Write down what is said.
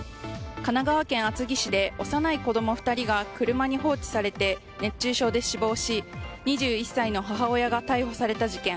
神奈川県厚木市で幼い子供２人が車に放置されて熱中症で死亡し２１歳の母親が逮捕された事件。